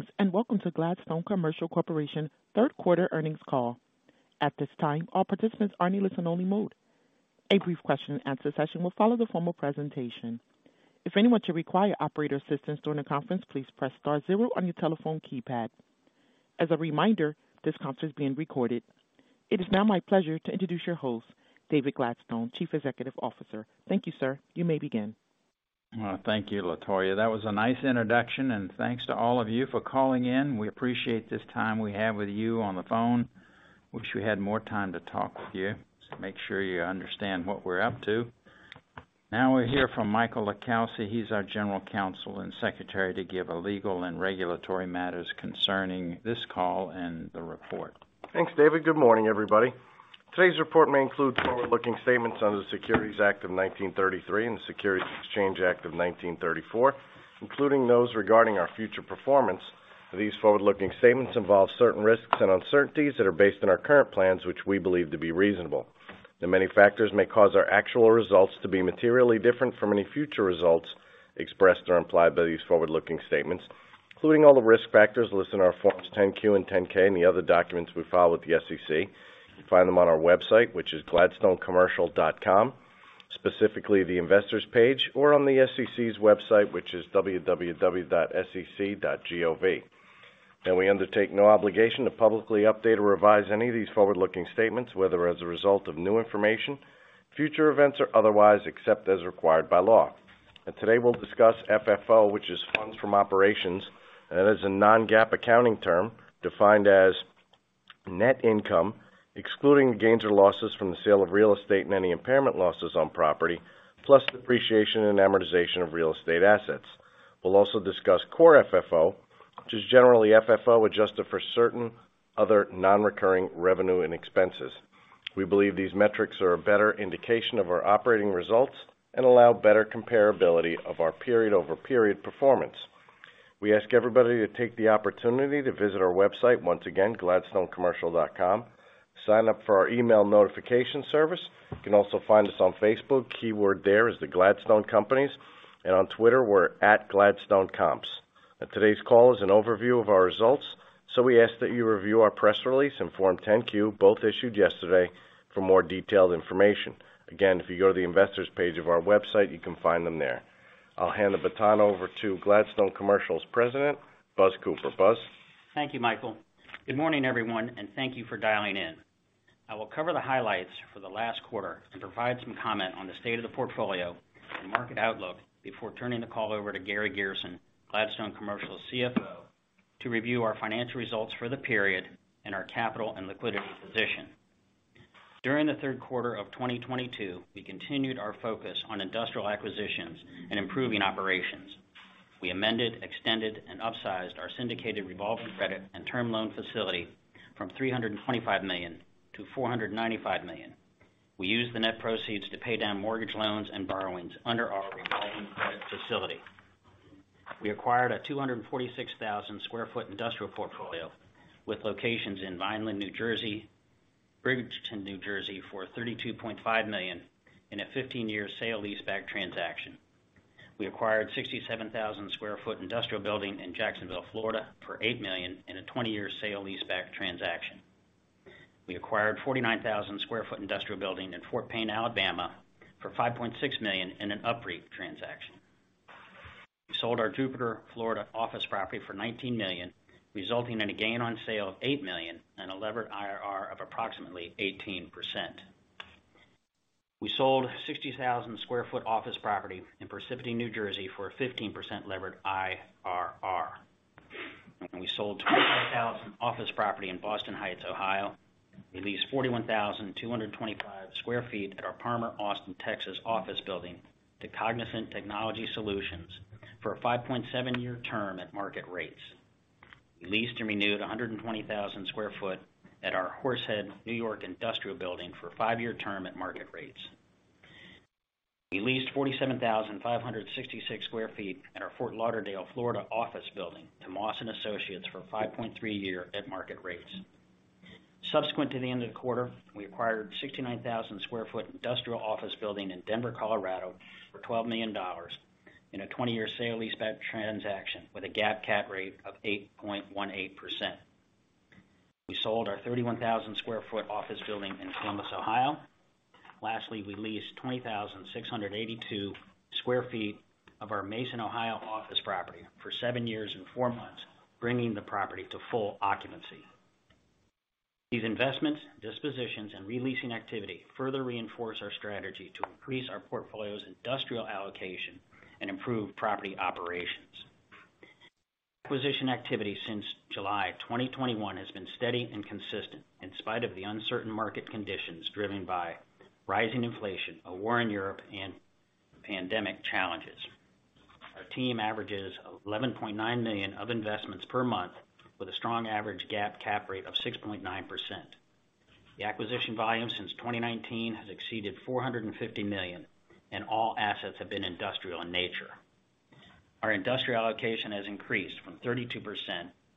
Greetings, and welcome to Gladstone Commercial Corporation third quarter earnings call. At this time, all participants are in listen-only mode. A brief question and answer session will follow the formal presentation. If anyone should require operator assistance during the conference, please press star zero on your telephone keypad. As a reminder, this conference is being recorded. It is now my pleasure to introduce your host, David Gladstone, Chief Executive Officer. Thank you, sir. You may begin. Well, thank you, Latoya. That was a nice introduction, and thanks to all of you for calling in. We appreciate this time we have with you on the phone. Wish we had more time to talk with you, just to make sure you understand what we're up to. Now, we'll hear from Michael LiCalsi, he's our General Counsel and Secretary, to give a legal and regulatory matters concerning this call and the report. Thanks, David. Good morning, everybody. Today's report may include forward-looking statements under the Securities Act of 1933 and the Securities Exchange Act of 1934, including those regarding our future performance. These forward-looking statements involve certain risks and uncertainties that are based on our current plans, which we believe to be reasonable. There are many factors that may cause our actual results to be materially different from any future results expressed or implied by these forward-looking statements, including all the risk factors listed in our Forms 10-Q and 10-K, and the other documents we file with the SEC. You can find them on our website, which is gladstonecommercial.com, specifically the investors page, or on the SEC's website, which is www.sec.gov. Now, we undertake no obligation to publicly update or revise any of these forward-looking statements, whether as a result of new information, future events, or otherwise, except as required by law. Today we'll discuss FFO, which is funds from operations, and that is a non-GAAP accounting term defined as net income, excluding gains or losses from the sale of real estate and any impairment losses on property, plus depreciation and amortization of real estate assets. We'll also discuss core FFO, which is generally FFO adjusted for certain other non-recurring revenue and expenses. We believe these metrics are a better indication of our operating results and allow better comparability of our period-over-period performance. We ask everybody to take the opportunity to visit our website once again, gladstonecommercial.com. Sign up for our email notification service. You can also find us on Facebook. Keyword there is the Gladstone Companies, and on Twitter, we're @GladstoneComps. Today's call is an overview of our results, so we ask that you review our press release and Form 10-Q, both issued yesterday for more detailed information. Again, if you go to the investors page of our website, you can find them there. I'll hand the baton over to Gladstone Commercial's president, Buzz Cooper. Buzz. Thank you, Michael. Good morning, everyone, and thank you for dialing in. I will cover the highlights for the last quarter and provide some comment on the state of the portfolio and market outlook before turning the call over to Gary Garrison, Gladstone Commercial CFO, to review our financial results for the period and our capital and liquidity position. During the third quarter of 2022, we continued our focus on industrial acquisitions and improving operations. We amended, extended, and upsized our syndicated revolving credit and term loan facility from $325 million to $495 million. We used the net proceeds to pay down mortgage loans and borrowings under our revolving credit facility. We acquired a 246,000 sq ft industrial portfolio with locations in Vineland, New Jersey, Bridgeton, New Jersey, for $32.5 million in a 15-year sale-leaseback transaction. We acquired 67,000 sq ft industrial building in Jacksonville, Florida for $8 million in a 20-year sale-leaseback transaction. We acquired 49,000 sq ft industrial building in Fort Payne, Alabama for $5.6 million in a UPREIT transaction. We sold our Jupiter, Florida office property for $19 million, resulting in a gain on sale of $8 million and a levered IRR of approximately 18%. We sold 60,000 sq ft office property in Parsippany, New Jersey for a 15% levered IRR. We sold 25,000 office property in Boston Heights, Ohio. We leased 41,225 sq ft at our Parmer Austin, Texas office building to Cognizant Technology Solutions for a 5.7-year term at market rates. We leased and renewed 120,000 sq ft at our Horseheads, New York industrial building for a 5-year term at market rates. We leased 47,566 sq ft at our Fort Lauderdale, Florida office building to Moss & Associates for a 5.3-year at market rates. Subsequent to the end of the quarter, we acquired 69,000 sq ft industrial office building in Denver, Colorado for $12 million in a 20-year sale-leaseback transaction with a GAAP cap rate of 8.18%. We sold our 31,000 sq ft office building in Columbus, Ohio. Lastly, we leased 20,682 sq ft of our Mason, Ohio office property for 7 years and 4 months, bringing the property to full occupancy. These investments, dispositions, and re-leasing activity further reinforce our strategy to increase our portfolio's industrial allocation and improve property operations. Acquisition activity since July 2021 has been steady and consistent in spite of the uncertain market conditions driven by rising inflation, a war in Europe, and pandemic challenges. Our team averages $11.9 million of investments per month with a strong average GAAP cap rate of 6.9%. The acquisition volume since 2019 has exceeded $450 million, and all assets have been industrial in nature. Our industrial allocation has increased from 32%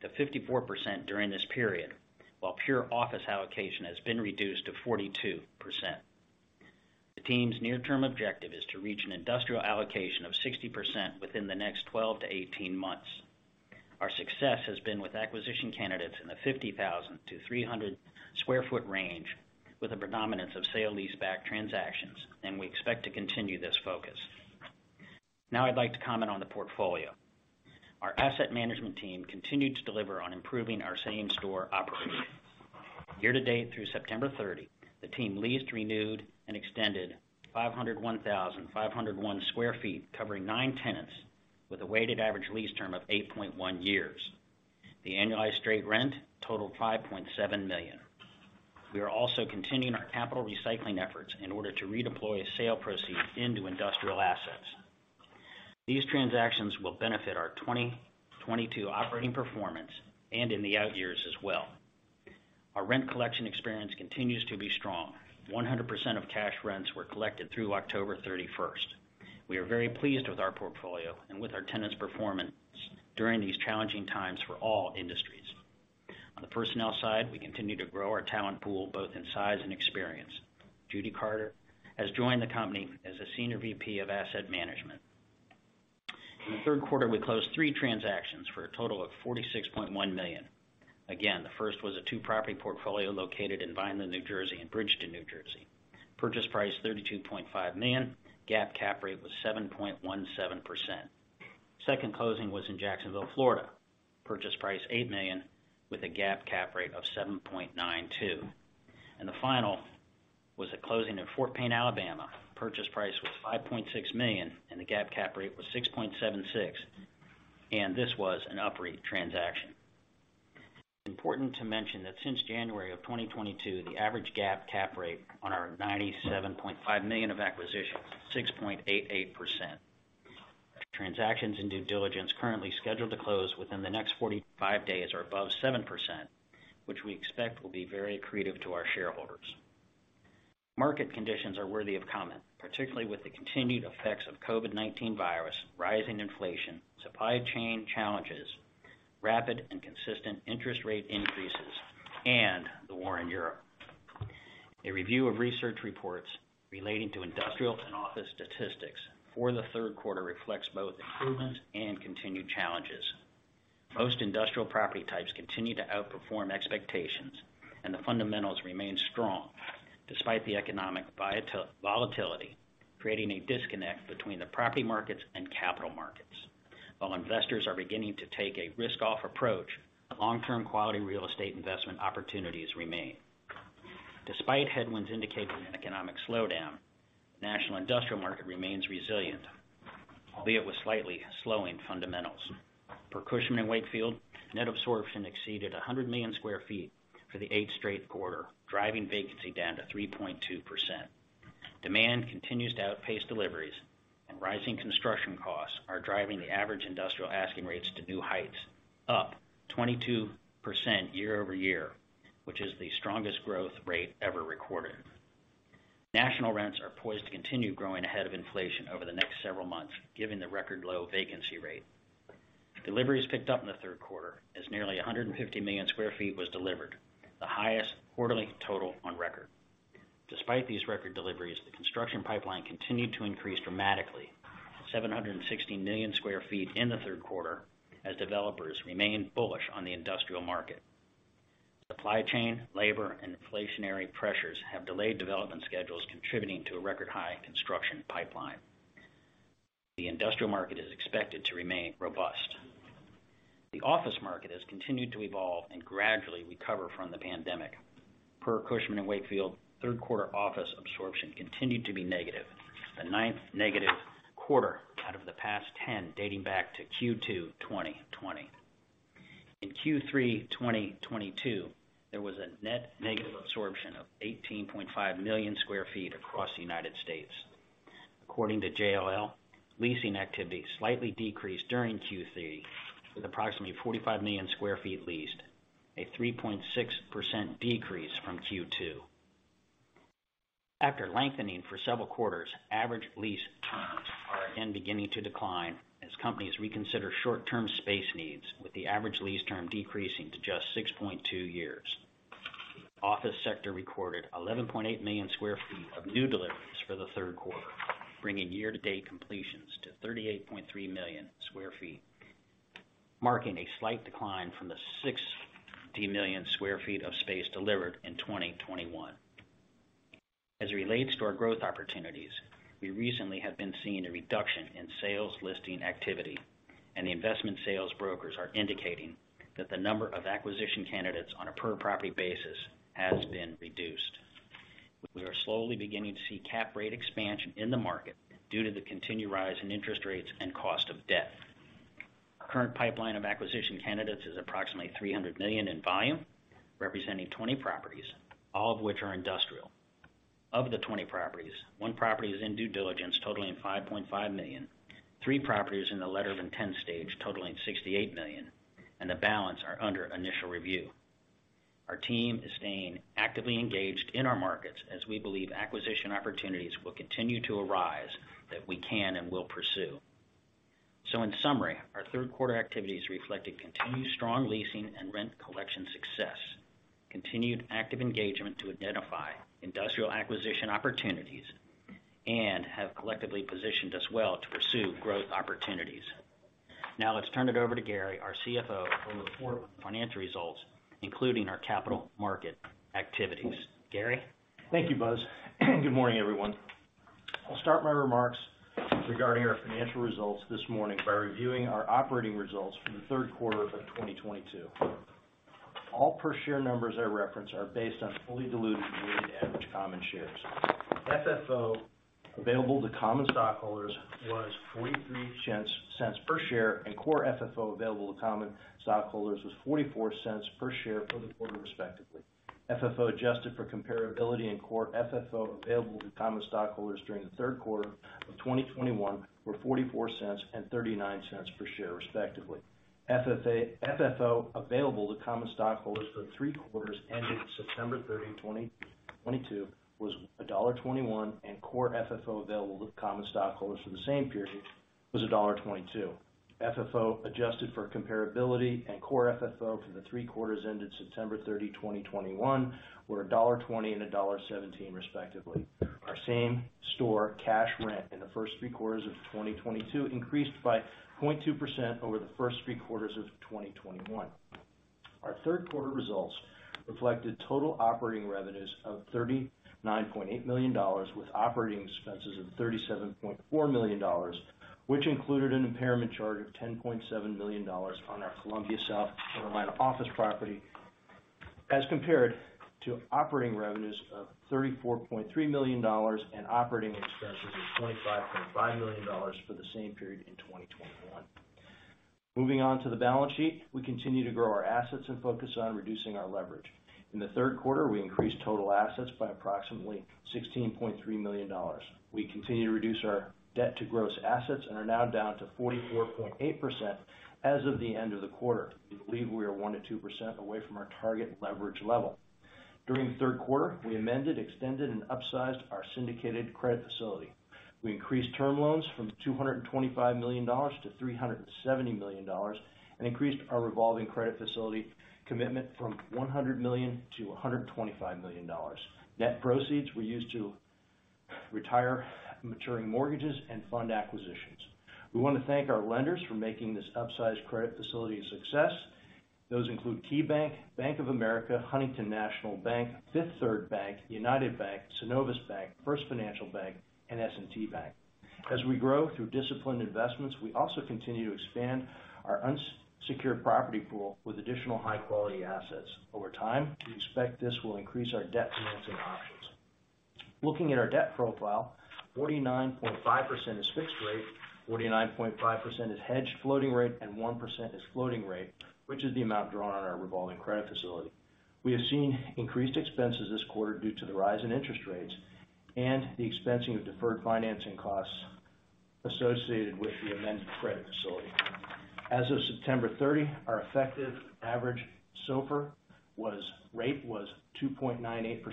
to 54% during this period, while pure office allocation has been reduced to 42%. The team's near-term objective is to reach an industrial allocation of 60% within the next 12 to 18 months. Our success has been with acquisition candidates in the 50,000-300,000 sq ft range, with a predominance of sale-leaseback transactions, and we expect to continue this focus. Now I'd like to comment on the portfolio. Our asset management team continued to deliver on improving our same store operating. Year-to-date through September 30, the team leased, renewed, and extended 501,501 sq ft, covering 9 tenants with a weighted average lease term of 8.1 years. The annualized straight rent totaled $5.7 million. We are also continuing our capital recycling efforts in order to redeploy sale proceeds into industrial assets. These transactions will benefit our 2022 operating performance and in the outyears as well. Our rent collection experience continues to be strong. 100% of cash rents were collected through October 31. We are very pleased with our portfolio and with our tenants' performance during these challenging times for all industries. On the personnel side, we continue to grow our talent pool, both in size and experience. Judy Carter has joined the company as a Senior VP of Asset Management. In the third quarter, we closed three transactions for a total of $46.1 million. Again, the first was a two-property portfolio located in Vineland, New Jersey, and Bridgeton, New Jersey. Purchase price $32.5 million. GAAP cap rate was 7.17%. Second closing was in Jacksonville, Florida. Purchase price $8 million, with a GAAP cap rate of 7.92%. The final was a closing in Fort Payne, Alabama. Purchase price was $5.6 million, and the GAAP cap rate was 6.76%, and this was an operating transaction. important to mention that since January 2022, the average GAAP cap rate on our $97.5 million of acquisitions, 6.88%. Transactions in due diligence currently scheduled to close within the next 45 days are above 7%, which we expect will be very accretive to our shareholders. Market conditions are worthy of comment, particularly with the continued effects of COVID-19 virus, rising inflation, supply chain challenges, rapid and consistent interest rate increases, and the war in Europe. A review of research reports relating to industrial and office statistics for the third quarter reflects both improvements and continued challenges. Most industrial property types continue to outperform expectations, and the fundamentals remain strong despite the economic volatility, creating a disconnect between the property markets and capital markets. While investors are beginning to take a risk-off approach, long-term quality real estate investment opportunities remain. Despite headwinds indicating an economic slowdown, national industrial market remains resilient, albeit with slightly slowing fundamentals. Per Cushman & Wakefield, net absorption exceeded 100 million sq ft for the eighth straight quarter, driving vacancy down to 3.2%. Demand continues to outpace deliveries and rising construction costs are driving the average industrial asking rates to new heights, up 22% year-over-year, which is the strongest growth rate ever recorded. National rents are poised to continue growing ahead of inflation over the next several months, given the record low vacancy rate. Deliveries picked up in the third quarter as nearly 150 million sq ft was delivered, the highest quarterly total on record. Despite these record deliveries, the construction pipeline continued to increase dramatically, 760 million sq ft in the third quarter, as developers remained bullish on the industrial market. Supply chain, labor, and inflationary pressures have delayed development schedules, contributing to a record high construction pipeline. The industrial market is expected to remain robust. The office market has continued to evolve and gradually recover from the pandemic. Per Cushman & Wakefield, third quarter office absorption continued to be negative, the ninth negative quarter out of the past ten dating back to Q2 2020. In Q3 2022, there was a net negative absorption of 18.5 million sq ft across the United States. According to JLL, leasing activity slightly decreased during Q3, with approximately 45 million sq ft leased, a 3.6% decrease from Q2. After lengthening for several quarters, average lease terms are again beginning to decline as companies reconsider short-term space needs, with the average lease term decreasing to just 6.2 years. Office sector recorded 11.8 million sq ft of new deliveries for the third quarter, bringing year-to-date completions to 38.3 million sq ft, marking a slight decline from the 60 million sq ft of space delivered in 2021. As it relates to our growth opportunities, we recently have been seeing a reduction in sales listing activity, and the investment sales brokers are indicating that the number of acquisition candidates on a per property basis has been reduced. We are slowly beginning to see cap rate expansion in the market due to the continued rise in interest rates and cost of debt. Our current pipeline of acquisition candidates is approximately $300 million in volume, representing 20 properties, all of which are industrial. Of the 20 properties, one property is in due diligence totaling $5.5 million. Three properties in the letter of intent stage totaling $68 million, and the balance are under initial review. Our team is staying actively engaged in our markets as we believe acquisition opportunities will continue to arise that we can and will pursue. In summary, our third quarter activities reflected continued strong leasing and rent collection success, continued active engagement to identify industrial acquisition opportunities, and have collectively positioned us well to pursue growth opportunities. Now let's turn it over to Gary, our CFO, who will report financial results, including our capital market activities. Gary? Thank you, Buzz. Good morning, everyone. I'll start my remarks regarding our financial results this morning by reviewing our operating results for the third quarter of 2022. All per share numbers I reference are based on fully diluted weighted average common shares. FFO available to common stockholders was $0.43 per share, and core FFO available to common stockholders was $0.44 per share for the quarter, respectively. FFO adjusted for comparability and core FFO available to common stockholders during the third quarter of 2021 were $0.44 and $0.39 per share, respectively. FFO available to common stockholders for the three quarters ending September 30, 2022 was $1.21, and core FFO available to common stockholders for the same period was $1.22. FFO adjusted for comparability and core FFO for the three quarters ended September 30, 2021, were $1.20 and $1.17, respectively. Our same store cash rent in the first three quarters of 2022 increased by 0.2% over the first three quarters of 2021. Our third quarter results reflected total operating revenues of $39.8 million with operating expenses of $37.4 million, which included an impairment charge of $10.7 million on our Columbia, South Carolina office property, as compared to operating revenues of $34.3 million and operating expenses of $25.5 million for the same period in 2021. Moving on to the balance sheet. We continue to grow our assets and focus on reducing our leverage. In the third quarter, we increased total assets by approximately $16.3 million. We continue to reduce our debt to gross assets and are now down to 44.8% as of the end of the quarter. We believe we are 1%-2% away from our target leverage level. During the third quarter, we amended, extended, and upsized our syndicated credit facility. We increased term loans from $225 million to $370 million, and increased our revolving credit facility commitment from $100 million to $125 million. Net proceeds were used to retire maturing mortgages and fund acquisitions. We want to thank our lenders for making this upsized credit facility a success. Those include KeyBank, Bank of America, Huntington National Bank, Fifth Third Bank, United Bank, Synovus Bank, First Financial Bank, and S&T Bank. As we grow through disciplined investments, we also continue to expand our unsecured property pool with additional high-quality assets. Over time, we expect this will increase our debt financing options. Looking at our debt profile, 49.5% is fixed rate, 49.5% is hedged floating rate, and 1% is floating rate, which is the amount drawn on our revolving credit facility. We have seen increased expenses this quarter due to the rise in interest rates and the expensing of deferred financing costs associated with the amended credit facility. As of September 30, our effective average SOFR rate was 2.98%.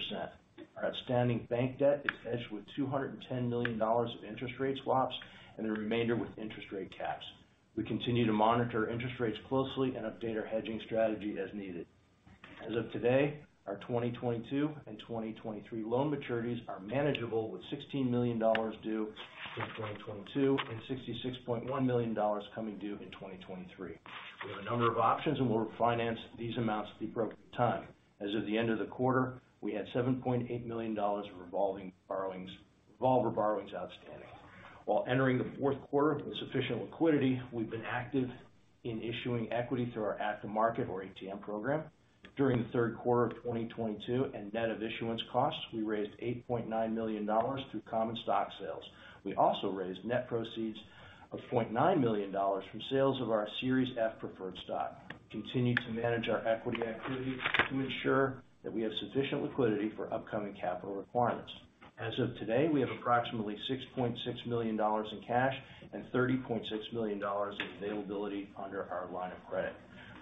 Our outstanding bank debt is hedged with $210 million of interest rate swaps and the remainder with interest rate caps. We continue to monitor interest rates closely and update our hedging strategy as needed. As of today, our 2022 and 2023 loan maturities are manageable, with $16 million due in 2022 and $66.1 million coming due in 2023. We have a number of options, and we'll refinance these amounts appropriate time. As of the end of the quarter, we had $7.8 million of revolving borrowings, revolver borrowings outstanding. While entering the fourth quarter with sufficient liquidity, we've been active in issuing equity through our at-the-market or ATM program. During the third quarter of 2022, and net of issuance costs, we raised $8.9 million through common stock sales. We also raised net proceeds of $0.9 million from sales of our Series F Preferred Stock. We continue to manage our equity activities to ensure that we have sufficient liquidity for upcoming capital requirements. As of today, we have approximately $6.6 million in cash and $30.6 million in availability under our line of credit.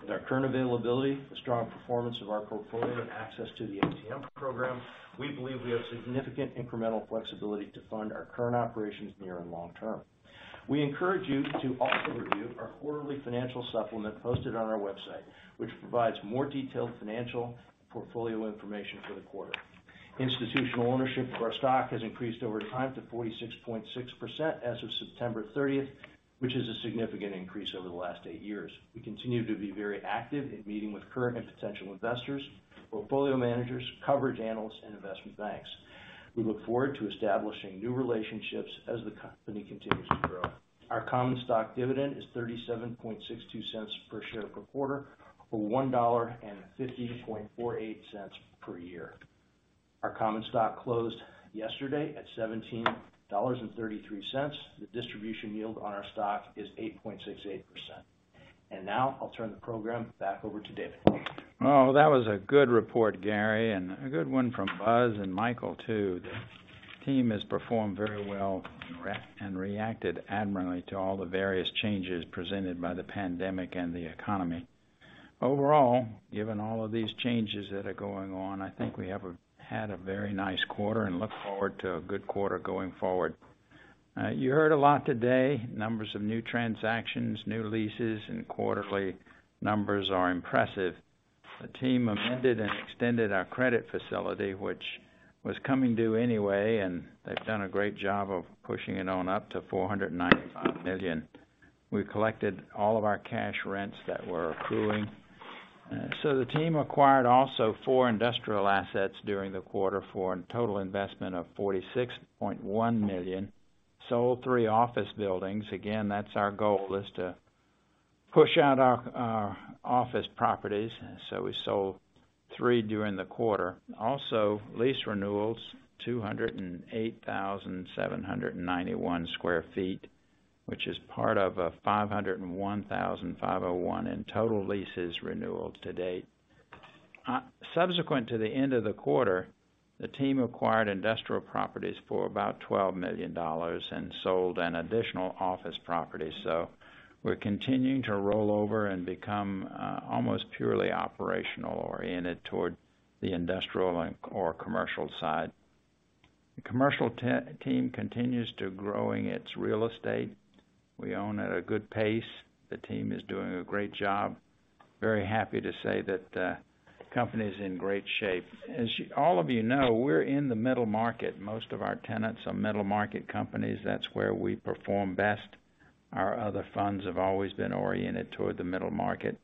With our current availability, the strong performance of our portfolio, and access to the ATM program, we believe we have significant incremental flexibility to fund our current operations near and long term. We encourage you to also review our quarterly financial supplement posted on our website, which provides more detailed financial portfolio information for the quarter. Institutional ownership of our stock has increased over time to 46.6% as of September 30, which is a significant increase over the last eight years. We continue to be very active in meeting with current and potential investors, portfolio managers, coverage analysts, and investment banks. We look forward to establishing new relationships as the company continues to grow. Our common stock dividend is $0.3762 per share per quarter, or $1.5048 per year. Our common stock closed yesterday at $17.33. The distribution yield on our stock is 8.68%. Now I'll turn the program back over to David. Oh, that was a good report, Gary, and a good one from Buzz and Michael, too. The team has performed very well and reacted admirably to all the various changes presented by the pandemic and the economy. Overall, given all of these changes that are going on, I think we have had a very nice quarter and look forward to a good quarter going forward. You heard a lot today, numbers of new transactions, new leases and quarterly numbers are impressive. The team amended and extended our credit facility, which was coming due anyway, and they've done a great job of pushing it on up to $495 million. We collected all of our cash rents that were accruing. The team acquired also 4 industrial assets during the quarter for a total investment of $46.1 million. Sold 3 office buildings. Again, that's our goal, is to push out our office properties, so we sold 3 during the quarter. Also, lease renewals, 208,791 sq ft, which is part of a 501,501 in total lease renewals to date. Subsequent to the end of the quarter, the team acquired industrial properties for about $12 million and sold an additional office property. We're continuing to roll over and become almost purely operational oriented toward the industrial or commercial side. The commercial team continues to growing its real estate. We own at a good pace. The team is doing a great job. Very happy to say that the company is in great shape. As all of you know, we're in the middle market. Most of our tenants are middle market companies. That's where we perform best. Our other funds have always been oriented toward the middle market.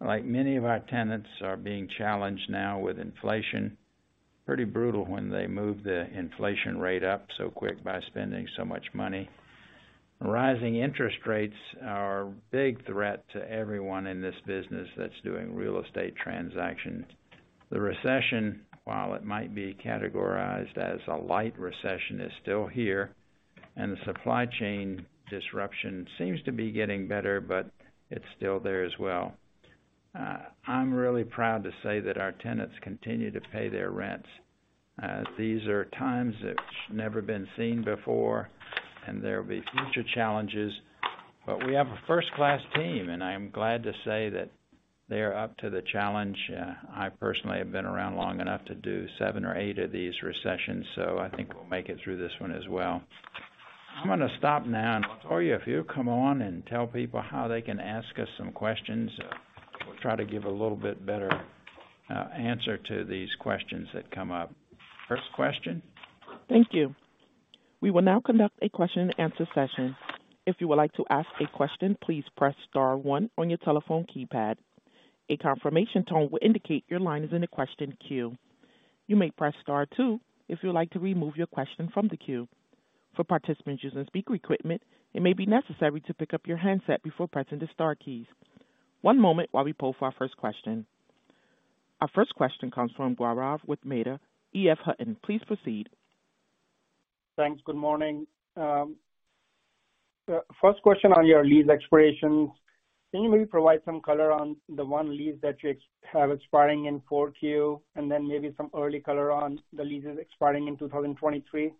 Like many of our tenants are being challenged now with inflation. Pretty brutal when they move the inflation rate up so quick by spending so much money. Rising interest rates are a big threat to everyone in this business that's doing real estate transactions. The recession, while it might be categorized as a light recession, is still here, and the supply chain disruption seems to be getting better, but it's still there as well. I'm really proud to say that our tenants continue to pay their rents. These are times that's never been seen before, and there will be future challenges, but we have a first-class team, and I am glad to say that they are up to the challenge. I personally have been around long enough to do seven or eight of these recessions, so I think we'll make it through this one as well. I'm gonna stop now and let Oya come on and tell people how they can ask us some questions. We'll try to give a little bit better answer to these questions that come up. First question. Thank you. We will now conduct a question and answer session. If you would like to ask a question, please press star one on your telephone keypad. A confirmation tone will indicate your line is in the question queue. You may press star two if you would like to remove your question from the queue. For participants using speaker equipment, it may be necessary to pick up your handset before pressing the star keys. One moment while we poll for our first question. Our first question comes from Gaurav Mehta, EF Hutton. Please proceed. Thanks. Good morning. First question on your lease expirations. Can you maybe provide some color on the one lease that you have expiring in Q4, and then maybe some early color on the leases expiring in 2023?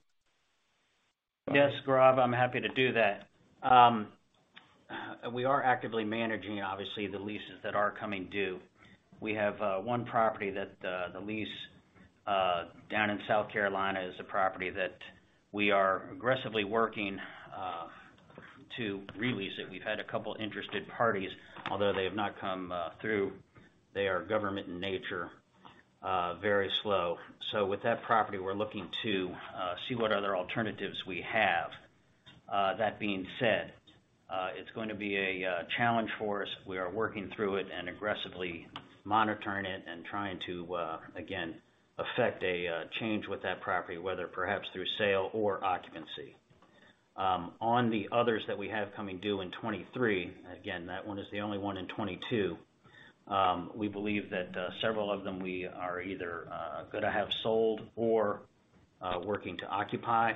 Yes, Gaurav, I'm happy to do that. We are actively managing, obviously, the leases that are coming due. We have one property that the lease down in South Carolina is a property that we are aggressively working to re-lease it. We've had a couple interested parties, although they have not come through. They are government in nature, very slow. With that property, we're looking to see what other alternatives we have. That being said, it's going to be a challenge for us. We are working through it and aggressively monitoring it and trying to again affect a change with that property, whether perhaps through sale or occupancy. On the others that we have coming due in 2023, again, that one is the only one in 2022. We believe that several of them we are either gonna have sold or working to occupy.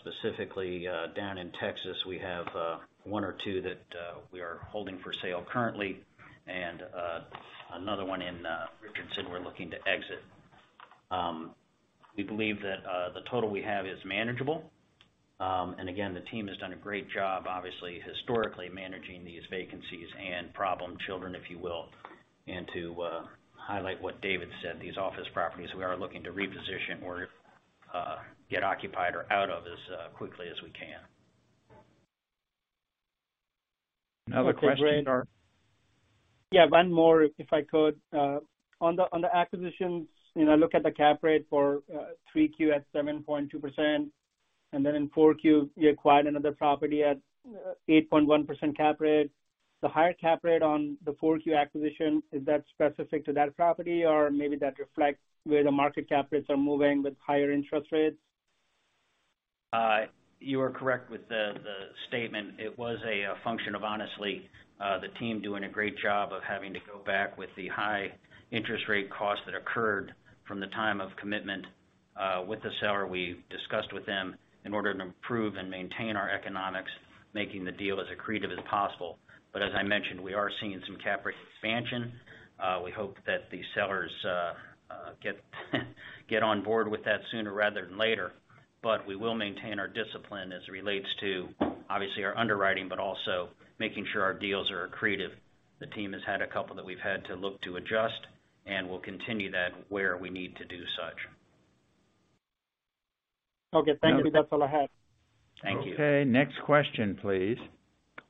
Specifically, down in Texas, we have one or two that we are holding for sale currently and another one in Richardson, we're looking to exit. We believe that the total we have is manageable. Again, the team has done a great job, obviously, historically, managing these vacancies and problem children, if you will. To highlight what David said, these office properties we are looking to reposition or get occupied or out of as quickly as we can. Another question or. Yeah, one more, if I could. On the acquisitions, you know, look at the cap rate for 3Q at 7.2%, and then in 4Q, you acquired another property at 8.1% cap rate. The higher cap rate on the 4Q acquisition, is that specific to that property or maybe that reflects where the market cap rates are moving with higher interest rates? You are correct with the statement. It was a function of, honestly, the team doing a great job of having to go back with the high interest rate costs that occurred from the time of commitment with the seller. We discussed with them in order to improve and maintain our economics, making the deal as accretive as possible. As I mentioned, we are seeing some cap rate expansion. We hope that the sellers get on board with that sooner rather than later. We will maintain our discipline as it relates to obviously our underwriting, but also making sure our deals are accretive. The team has had a couple that we've had to look to adjust, and we'll continue that where we need to do such. Okay. Thank you. That's all I have. Thank you. Okay. Next question, please.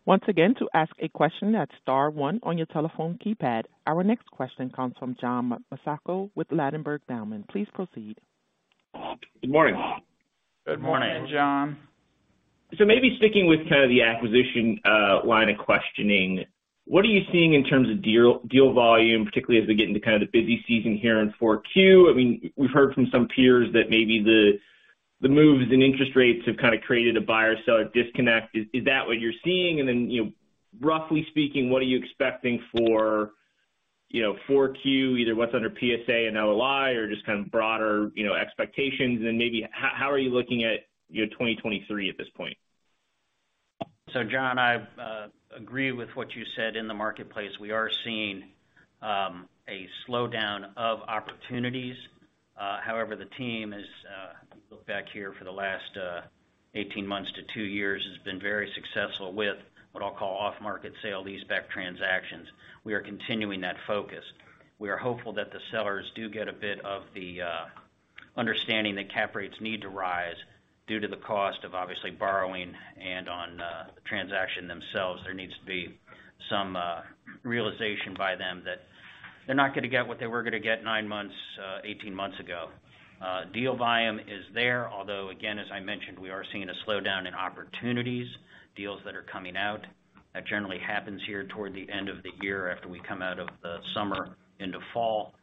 Once again, to ask a question, that's star one on your telephone keypad. Our next question comes from John Massocca with Ladenburg Thalmann. Please proceed. Good morning. Good morning. Good morning, John. Maybe sticking with kind of the acquisition line of questioning, what are you seeing in terms of deal volume, particularly as we get into kind of the busy season here in 4Q? I mean, we've heard from some peers that maybe the moves in interest rates have kind of created a buyer-seller disconnect. Is that what you're seeing? Then, you know, roughly speaking, what are you expecting for, you know, 4Q, either what's under PSA and LOI or just kind of broader, you know, expectations? Maybe how are you looking at, you know, 2023 at this point? John, I agree with what you said. In the marketplace, we are seeing a slowdown of opportunities. However, the team is, if you look back here for the last 18 months to 2 years, has been very successful with what I'll call off-market sale-leaseback transactions. We are continuing that focus. We are hopeful that the sellers do get a bit of the understanding that cap rates need to rise due to the cost of obviously borrowing and on the transaction themselves. There needs to be some realization by them that they're not gonna get what they were gonna get 9 months, 18 months ago. Deal volume is there, although again, as I mentioned, we are seeing a slowdown in opportunities, deals that are coming out. That generally happens here toward the end of the year after we come out of the summer into fall.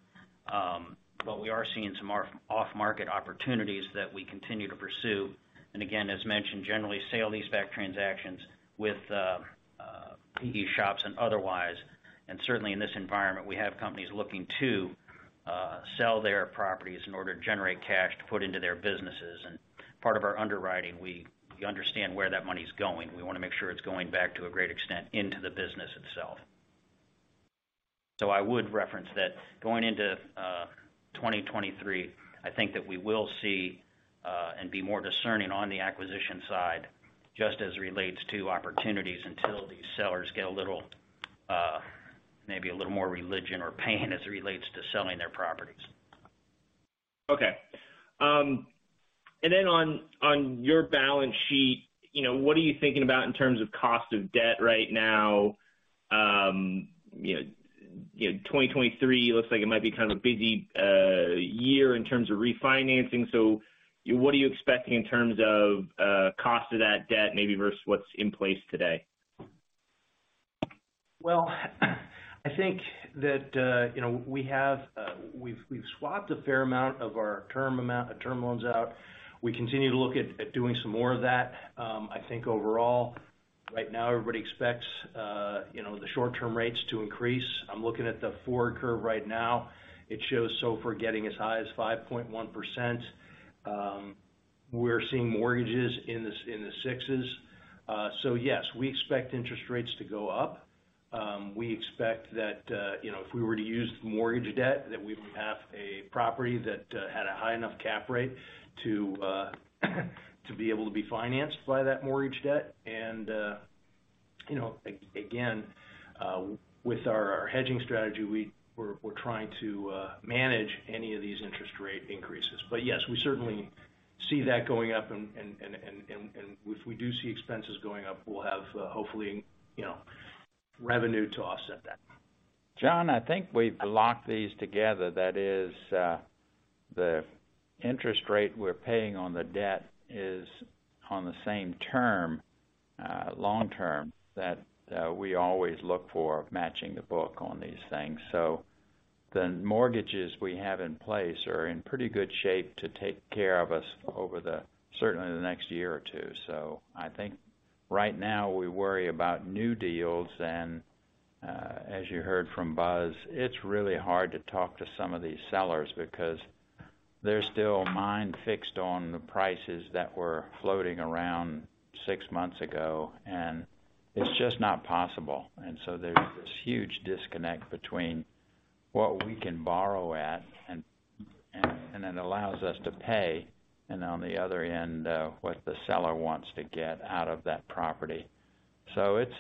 We are seeing some off-market opportunities that we continue to pursue. Again, as mentioned, generally, sale-leaseback transactions with PE shops and otherwise, and certainly in this environment, we have companies looking to sell their properties in order to generate cash to put into their businesses. Part of our underwriting, we understand where that money's going. We wanna make sure it's going back to a great extent into the business itself. I would reference that going into 2023, I think that we will see and be more discerning on the acquisition side, just as it relates to opportunities until these sellers get a little, maybe a little more religion or pain as it relates to selling their properties. Okay. On your balance sheet, you know, what are you thinking about in terms of cost of debt right now? You know, 2023 looks like it might be kind of a busy year in terms of refinancing. What are you expecting in terms of cost of that debt maybe versus what's in place today? Well, I think that, you know, we've swapped a fair amount of our term loans out. We continue to look at doing some more of that. I think overall, right now, everybody expects, you know, the short-term rates to increase. I'm looking at the forward curve right now. It shows so far getting as high as 5.1%. We're seeing mortgages in the sixes. Yes, we expect interest rates to go up. We expect that, you know, if we were to use the mortgage debt, that we would have a property that had a high enough cap rate to be able to be financed by that mortgage debt. You know, again, with our hedging strategy, we're trying to manage any of these interest rate increases. Yes, we certainly see that going up, and if we do see expenses going up, we'll have, hopefully, you know, revenue to offset that. John, I think we've locked these together. That is, the interest rate we're paying on the debt is on the same term, long term that we always look for matching the book on these things. The mortgages we have in place are in pretty good shape to take care of us over the certainly the next year or two. I think right now we worry about new deals, and as you heard from Buzz, it's really hard to talk to some of these sellers because they're still mind-fixed on the prices that were floating around six months ago, and it's just not possible. There's this huge disconnect between what we can borrow at and it allows us to pay, and on the other end, what the seller wants to get out of that property. It's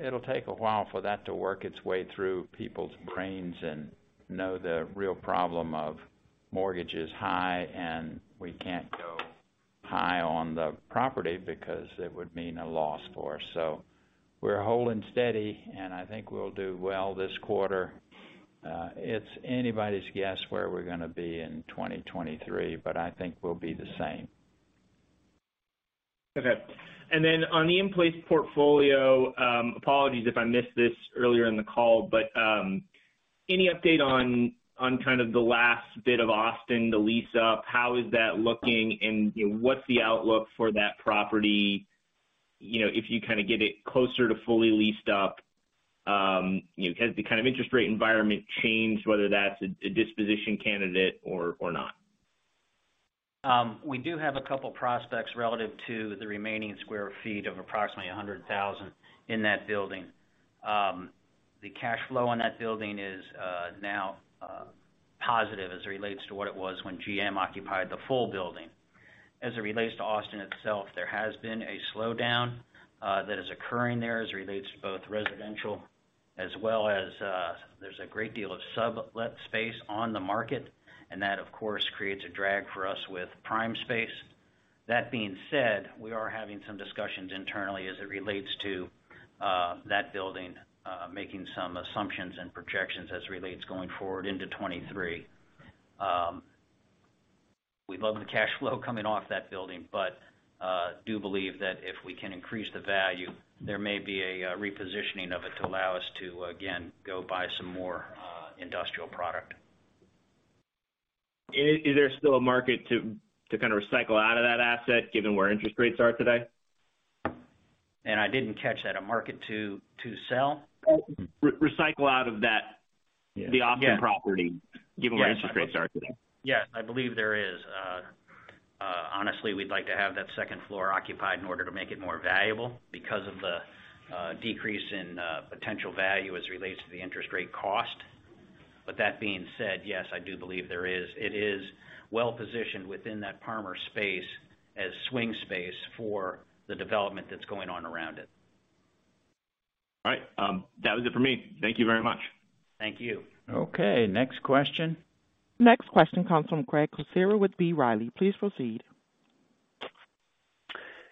it'll take a while for that to work its way through people's brains and know the real problem of mortgage is high, and we can't go high on the property because it would mean a loss for us. We're holding steady, and I think we'll do well this quarter. It's anybody's guess where we're gonna be in 2023, but I think we'll be the same. Okay. Then on the in-place portfolio, apologies if I missed this earlier in the call, but, any update on kind of the last bit of Austin, the lease-up? How is that looking, and, you know, what's the outlook for that property? You know, if you kind of get it closer to fully leased up, you know, has the kind of interest rate environment changed, whether that's a disposition candidate or not? We do have a couple of prospects relative to the remaining sq ft of approximately 100,000 in that building. The cash flow on that building is now positive as it relates to what it was when GM occupied the full building. As it relates to Austin itself, there has been a slowdown that is occurring there as it relates to both residential as well as, there's a great deal of sublet space on the market, and that, of course, creates a drag for us with prime space. That being said, we are having some discussions internally as it relates to that building, making some assumptions and projections as relates going forward into 2023. We love the cash flow coming off that building, but do believe that if we can increase the value, there may be a repositioning of it to allow us to again go buy some more industrial product. Is there still a market to kind of recycle out of that asset given where interest rates are today? I didn't catch that. A market to sell? Recycle out of that. Yeah. The Austin property, given where interest rates are today. Yes, I believe there is. Honestly, we'd like to have that second floor occupied in order to make it more valuable because of the decrease in potential value as it relates to the interest rate cost. That being said, yes, I do believe there is. It is well positioned within that Parmer space as swing space for the development that's going on around it. All right. That was it for me. Thank you very much. Thank you. Okay, next question. Next question comes from Craig Kucera with B. Riley. Please proceed.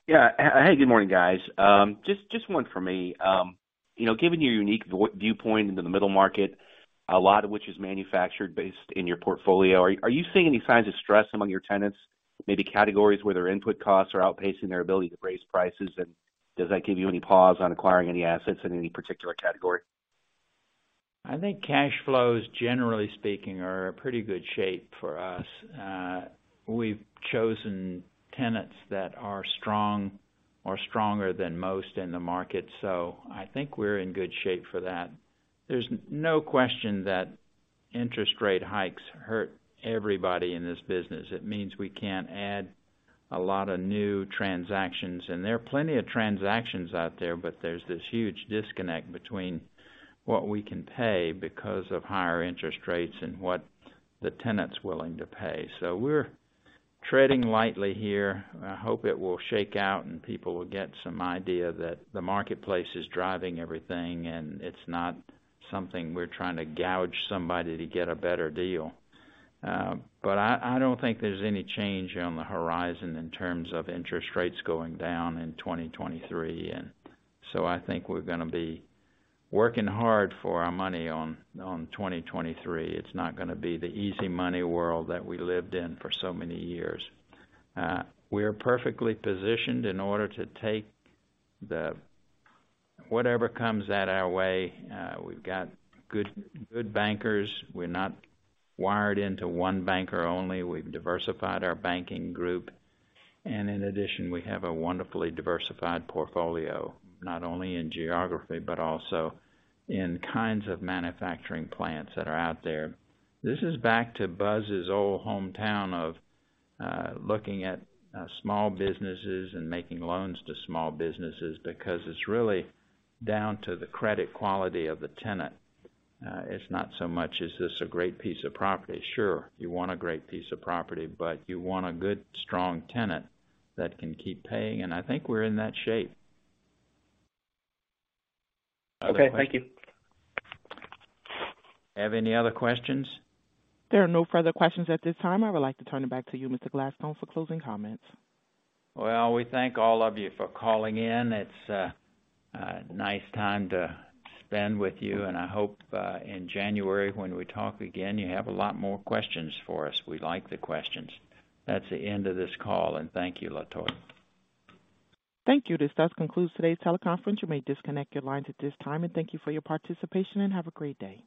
Yeah. Hey, good morning, guys. Just one for me. You know, given your unique viewpoint into the middle market, a lot of which is manufacturing-based in your portfolio, are you seeing any signs of stress among your tenants, maybe categories where their input costs are outpacing their ability to raise prices? Does that give you any pause on acquiring any assets in any particular category? I think cash flows, generally speaking, are in pretty good shape for us. We've chosen tenants that are strong or stronger than most in the market, so I think we're in good shape for that. There's no question that interest rate hikes hurt everybody in this business. It means we can't add a lot of new transactions. There are plenty of transactions out there, but there's this huge disconnect between what we can pay because of higher interest rates and what the tenant's willing to pay. We're treading lightly here. I hope it will shake out, and people will get some idea that the marketplace is driving everything, and it's not something we're trying to gouge somebody to get a better deal. I don't think there's any change on the horizon in terms of interest rates going down in 2023. I think we're gonna be working hard for our money on 2023. It's not gonna be the easy money world that we lived in for so many years. We are perfectly positioned in order to take whatever comes at our way. We've got good bankers. We're not wired into one banker only. We've diversified our banking group. In addition, we have a wonderfully diversified portfolio, not only in geography, but also in kinds of manufacturing plants that are out there. This is back to Buzz's old hometown of looking at small businesses and making loans to small businesses because it's really down to the credit quality of the tenant. It's not so much, is this a great piece of property? Sure, you want a great piece of property, but you want a good, strong tenant that can keep paying. I think we're in that shape. Okay. Thank you. Have any other questions? There are no further questions at this time. I would like to turn it back to you, Mr. Gladstone, for closing comments. Well, we thank all of you for calling in. It's a nice time to spend with you, and I hope in January when we talk again, you have a lot more questions for us. We like the questions. That's the end of this call, and thank you, Latoya. Thank you. This does conclude today's teleconference. You may disconnect your lines at this time. Thank you for your participation, and have a great day.